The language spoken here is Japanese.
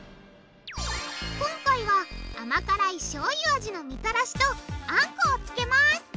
今回は甘辛いしょうゆ味のみたらしとあんこをつけます。